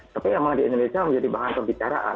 tapi memang di indonesia menjadi bahan pembicaraan